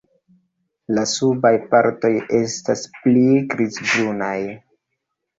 La subaj partoj estas pli grizbrunaj.